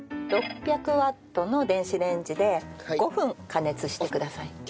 ６００ワットの電子レンジで５分加熱してください。